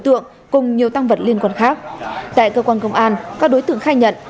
tượng cùng nhiều tăng vật liên quan khác tại cơ quan công an các đối tượng khai nhận